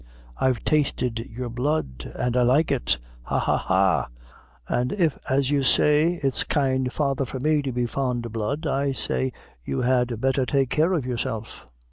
I've tasted your blood, an' I like it ha, ha, ha! an' if as you say it's kind father for me to be fond o' blood, I say you had better take care of yourself.